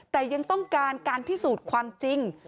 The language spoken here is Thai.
แต่ยังต้องการการพิสูจน์ความจริง